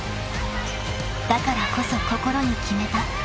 ［だからこそ心に決めた］